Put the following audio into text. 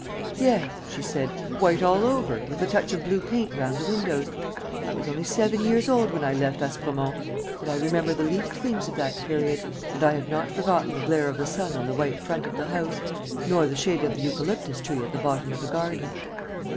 ..." "Yes," she said, "white all over, with a touch of blue paint round the windows. ... I was only seven years old when I left Aspremont; but I remember the least things of that period. And I have not forgotten the glare of the sun on the white front of the house, nor the shade of the eucalyptus tree at the bottom of the garden."